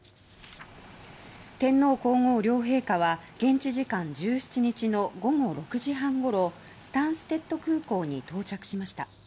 天皇・皇后両陛下は現地時間１７日の午後６時半ごろスタンステッド空港に到着しました。